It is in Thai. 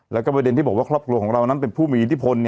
แล้วก็ประเด็นที่บอกว่าครอบครัวของเรานั้นเป็นผู้มีอิทธิพล